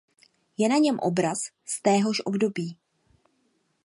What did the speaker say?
Je na něm obraz z téhož období.